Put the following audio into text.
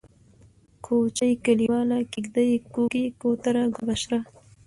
کوچۍ ، کليواله ، کيږدۍ ، کوکۍ ، کوتره ، گلبشره